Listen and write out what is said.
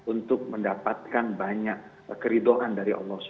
untuk mendapatkan banyak keridoan dari allah swt